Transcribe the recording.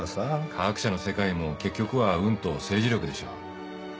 科学者の世界も結局は運と政治力でしょ。